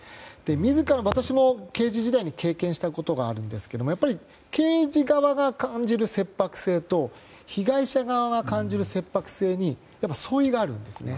自ら私も刑事時代に経験したことがありますがやっぱり刑事側が感じる切迫性と被害者側が感じる切迫性に相違があるんですね。